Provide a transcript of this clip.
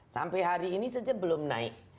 sampai hari ini saja belum naik